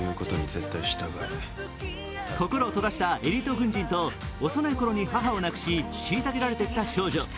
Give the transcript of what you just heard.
心を閉ざしたエリート軍人と幼い頃に母を亡くし虐げられてきた少女。